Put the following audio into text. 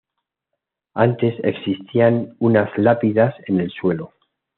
Antes existían unas lápidas en el suelo.